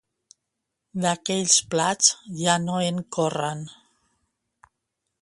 D'aquells plats, ja no en corren.